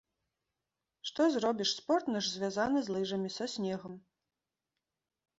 Што зробіш, спорт наш звязаны з лыжамі, са снегам.